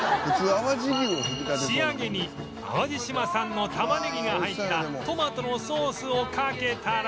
仕上げに淡路島産のたまねぎが入ったトマトのソースをかけたら